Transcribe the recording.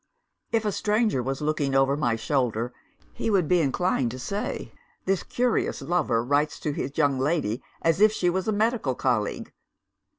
"If a stranger was looking over my shoulder, he would be inclined to say, This curious lover writes to his young lady as if she was a medical colleague!